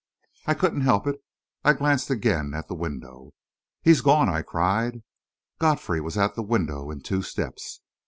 I couldn't help it I glanced again at the window.... "He's gone!" I cried. Godfrey was at the window in two steps.